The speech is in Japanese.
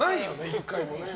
１回もね。